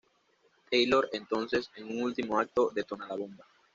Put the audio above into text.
Taylor entonces, en un último acto, detona la bomba.